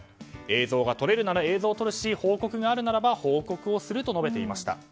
映像が撮れるなら撮るし報告があるならば報告をすると述べていました。